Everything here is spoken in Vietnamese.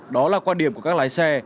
đó là quan điểm của các lái xe